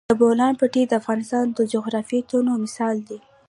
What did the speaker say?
د بولان پټي د افغانستان د جغرافیوي تنوع مثال دی.